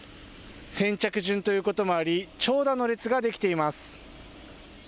先着順ということもあり、長蛇の列が出来ています。